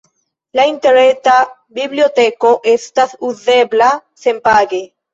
La interreta biblioteko estas uzebla senpage.